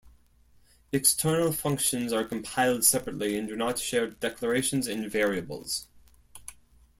External functions are compiled separately and do not share declarations and variables.